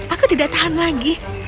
aku tidak tahan lagi